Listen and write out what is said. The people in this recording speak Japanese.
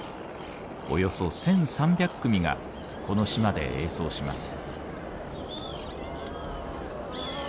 およそ１，３００組がこの島で営巣します。